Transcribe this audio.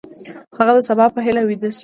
هغه د سبا په هیله ویده شو.